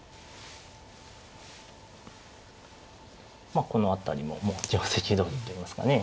まあこの辺りももう定跡どおりといいますかね。